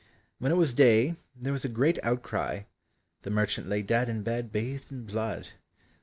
When it was day there was a great outcry; the merchant lay dead in bed bathed in blood.